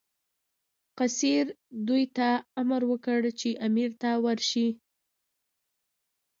قیصر دوی ته امر وکړ چې امیر ته ورسي.